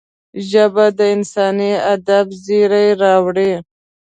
ژبه د انساني ادب زېری راوړي